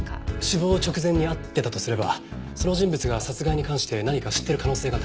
死亡直前に会ってたとすればその人物が殺害に関して何か知ってる可能性が高いですね。